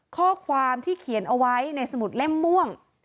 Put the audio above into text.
ข้อความที่เขียนเอาไว้ในสมุดเล่มม่วง